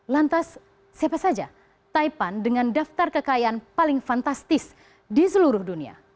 lantas siapa saja taipan dengan daftar kekayaan paling fantastis di seluruh dunia